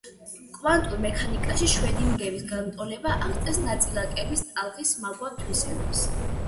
კვანტურ მექანიკაში შრედინგერის განტოლება აღწერს ნაწილაკების ტალღის მაგვარ თვისებებს.